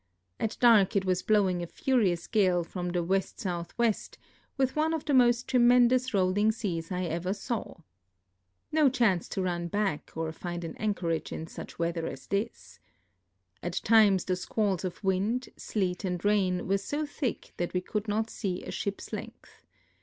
At dark it was V)lowing a furious gale from the W.S.W., with one of the most tremendous rolling seas I ever saw. No chance to run back or find an anchoiage in such weather as this. At times the stiualls of wind, sleet, and rain were so thick that we could not see a ship's length.